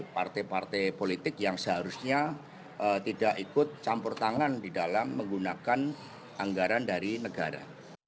partai partai politik yang seharusnya tidak ikut campur tangan di dalam menggunakan anggaran dari negara